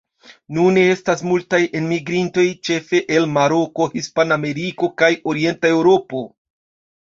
Nune estas multaj enmigrintoj ĉefe el Maroko, Hispanameriko kaj Orienta Eŭropo.